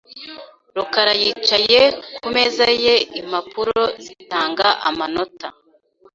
rukara yicaye ku meza ye impapuro zitanga amanota .